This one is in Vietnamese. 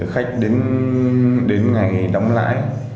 khách đến ngày đóng lãi